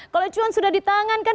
kalau cuan sudah ditangankan